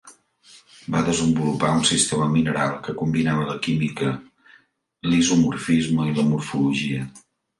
Va desenvolupar un sistema mineral que combinava la química l'isomorfisme i la morfologia.